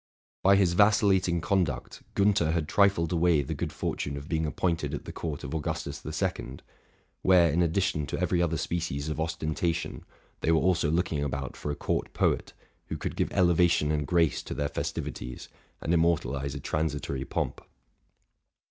By his vacillating conduct, Giinther had trifled away the good fortune of being appointed at the court of Augustus the Second, where, in addition to every other species of osten tation, they were also looking about for a court poet, who could give elevation and grace to their festivities, and im mortalize a transitory pomp.